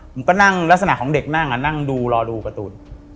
ผมก็นั่งลักษณะของเด็กนั่งนั่งดูรอดูการ์ตูน